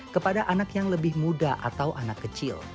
kepada anak yang lebih muda atau anak kecil